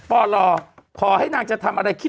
ปอรอพอให้นางจะทำอะไร